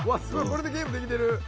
これでゲームできてる。